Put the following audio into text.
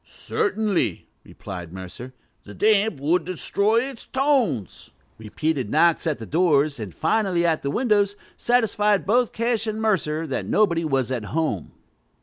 "Certainly," replied Mercer: "the damp would destroy its tones." Repeated knocks at the doors, and finally at the windows, satisfied both Cash and Mercer that nobody was at home.